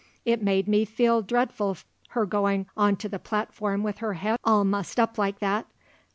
It made me feel dreadful her going on to the platform with her head all mussed up like that.